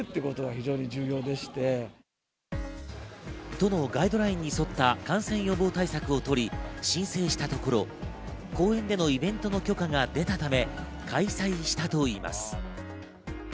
都のガイドラインに沿った感染予防対策をとり申請したところ、公園でのイベントの許可が出たため、開催したといいます。